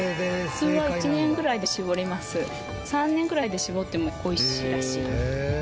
３年くらいで搾っても美味しいらしい。